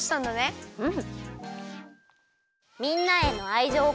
うん！